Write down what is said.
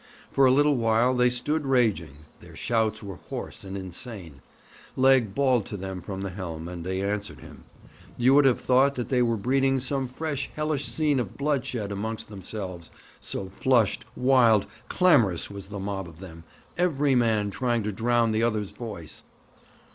For a little while they stood raging; their shouts were hoarse and insane. Legg bawled to them from the helm, and they answered him. You would have thought that they were breeding some fresh hellish scene of bloodshed amongst themselves, so flushed, wild, clamorous was the mob of them, every man trying to drown the other's voice.